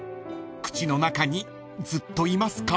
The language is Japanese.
口の中にずっといますか？］